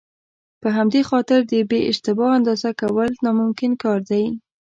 په همدې خاطر د بې اشتباه اندازه کول ناممکن کار دی.